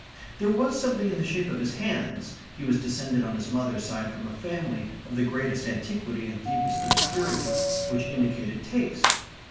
There was something in the shape of his hands (he was descended on his mother's side from a family of the greatest antiquity and deepest obscurity) which indicated taste.